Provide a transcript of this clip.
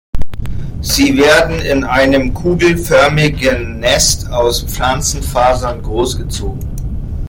Sie werden in einem kugelförmigen Nest aus Pflanzenfasern großgezogen.